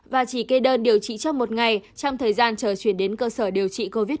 và chỉ kê đơn điều trị trong một ngày trong thời gian chờ chuyển đến cơ sở điều trị covid một mươi chín